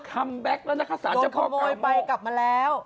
คัมแบ็คแล้วนะคะศาลเจ้าพ่อกาโม่โดนขโมยไปกลับมาแล้ว